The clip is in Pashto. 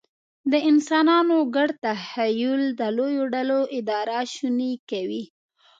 د انسانانو ګډ تخیل د لویو ډلو اداره شونې کوي.